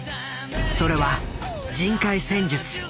それは人海戦術。